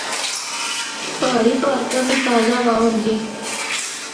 پہاڑی پارکاں بچ تازہ ہوا ہوندی ہے۔